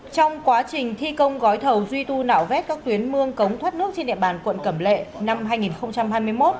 trong quá trình thi công gói thầu duy tu nạo vét các tuyến mương cống thoát nước trên địa bàn quận cẩm lệ năm hai nghìn hai mươi một